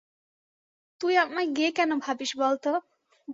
তুই আমায় গে কেন ভাবিস বল তো?